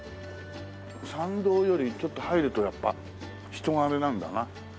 参道よりちょっと入るとやっぱ人があれなんだな。